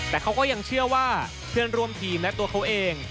แต่เขาก็ยังเชื่อว่าเพื่อนร่วมทีมและตัวเขาเอง